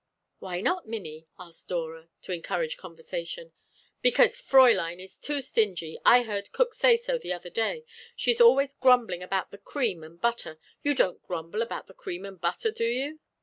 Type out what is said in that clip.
"Why not, Minnie?" asked Dora, to encourage conversation. "Because Fräulein is too stingy. I heard cook say so the other day. She is always grumbling about the cream and butter. You don't grumble about the cream and butter, do you?"